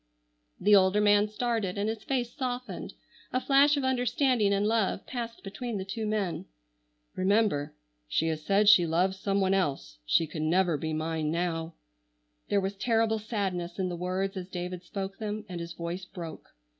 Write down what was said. The older man started and his face softened. A flash of understanding and love passed between the two men. "Remember, she has said she loves some one else. She could never be mine now." There was terrible sadness in the words as David spoke them, and his voice broke.